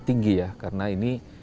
tinggi ya karena ini